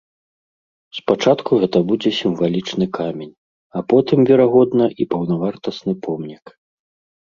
Спачатку гэта будзе сімвалічны камень, а потым, верагодна, і паўнавартасны помнік.